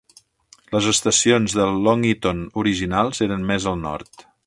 Les estacions de Long Eaton originals eren més al nord.